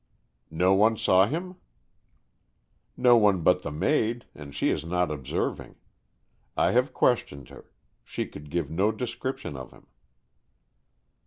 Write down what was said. "No one saw him?" "No one but the maid, and she is not observing. I have questioned her. She could give no description of him."